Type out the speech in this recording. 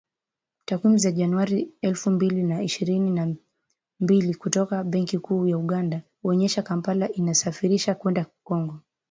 Takwimu za Januari elfu mbili na ishirini na mbili kutoka Benki Kuu ya Uganda, huonyesha Kampala inasafirisha kwenda Kongo